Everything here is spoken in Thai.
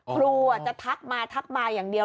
ครูจะทักมาทักมาอย่างเดียว